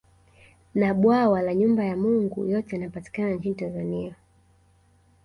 Na Bwawa la Nyumba ya Mungu yote yanapatikana nchini Tanzania